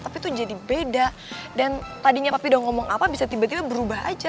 tapi itu jadi beda dan tadinya kopi udah ngomong apa bisa tiba tiba berubah aja